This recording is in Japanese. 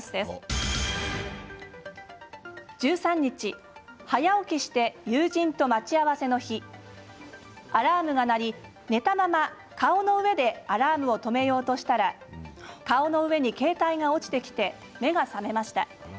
１３日早起きして友人と待ち合わせの日アラームが鳴り寝たまま顔の上でアラームを止めようとしたら顔の上に携帯が落ちてきて目が覚めました。